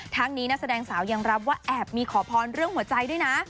ทั้งนี้นักแสดงสาวยังรับว่าแอบมีขอพรเรื่องหัวใจด้วยนะ